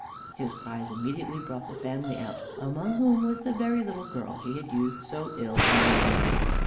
His cries immediately brought the family out, among whom was the very little girl he had used so ill in the morning.